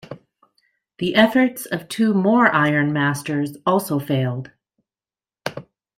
The efforts of two more iron masters also failed.